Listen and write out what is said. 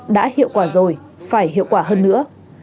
đã hiệu quả rồi phải hiệu quả hơn nữa